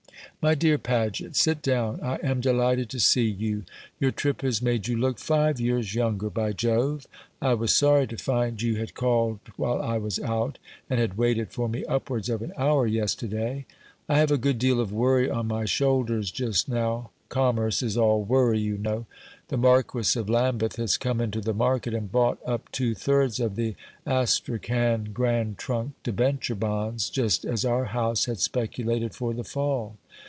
"My dear Paget, sit down; I am delighted to see you. Your trip has made you look five years younger, by Jove! I was sorry to find you had called while I was out, and had waited for me upwards of an hour yesterday. I have a good deal of worry on my shoulders just now; commerce is all worry, you know. The Marquis of Lambeth has come into the market and bought up two thirds of the Astrakhan Grand Trunk debenture bonds, just as our house had speculated for the fall.